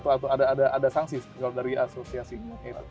atau ada sanksi kalau dari asosiasinya